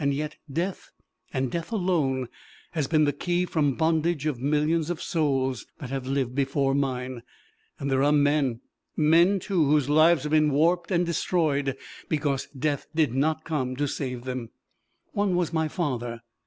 Yet death, and death alone, has been the key from bondage of millions of souls that have lived before mine; and there are men men, too whose lives have been warped and destroyed because death did not come to save them. One was my father.